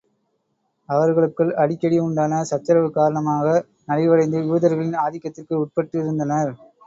அவர்களுக்குள் அடிக்கடி உண்டான சச்சரவு காரணமாக நலிவடைந்து, யூதர்களின் ஆதிக்கத்திற்கு உட்பட்டிருந்தனர்.